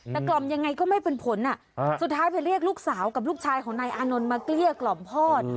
แต่กล่อมยังไงก็ไม่เป็นผลสุดท้ายไปเรียกลูกสาวกับลูกชายของนายอานนท์มาเกลี้ยกล่อมพ่อ